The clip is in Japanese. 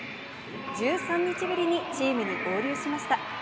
１３日ぶりにチームに合流しました。